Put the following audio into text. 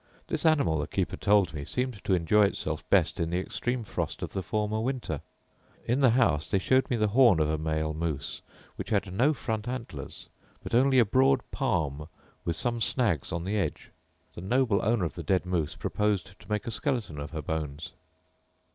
This animal, the keeper told me, seemed to enjoy itself best in the extreme frost of the former winter. In the house they showed me the horn of a male moose, which had no front antlers, but only a broad palm with some snags on the edge. The noble owner of the dead moose proposed to make a skeleton of her bones.